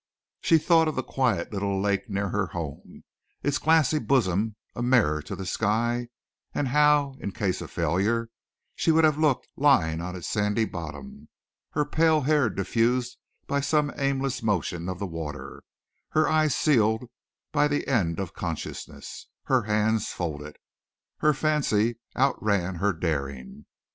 She thought of the quiet little lake near her home, its glassy bosom a mirror to the sky, and how, in case of failure, she would have looked lying on its sandy bottom, her pale hair diffused by some aimless motion of the water, her eyes sealed by the end of consciousness, her hands folded. Her fancy outran her daring.